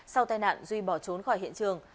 sau tai nạn duy bỏ trốn khỏi hiện trường